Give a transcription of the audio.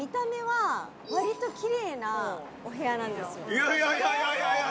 いやいやいやいや！